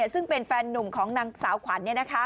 ซึ่งเป็นแฟนนุ่มของนางสาวขวัญ